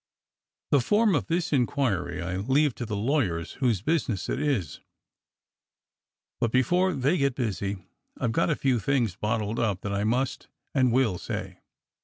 The form of this inquiry I leave to the lawyers whose business it is, but before they get busy I've got a few things bottled up that I must and will say.